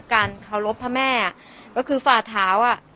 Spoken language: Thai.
การเคารพพระแม่ก็คือฝ่าเท้าอ่ะ